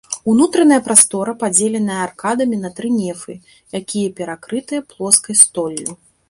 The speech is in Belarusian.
Унутраная прастора падзеленая аркадамі на тры нефы, якія перакрытыя плоскай столлю.